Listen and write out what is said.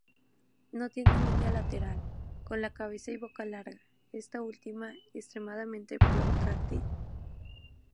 No tienen línea lateral, con la cabeza y boca larga, esta última extremadamente protráctil.